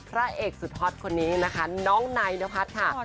พระเอกสุดฮอตคนนี้น้องนายนพัด